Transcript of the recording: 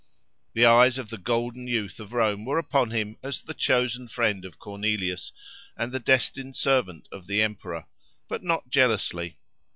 The eyes of the "golden youth" of Rome were upon him as the chosen friend of Cornelius, and the destined servant of the emperor; but not jealously.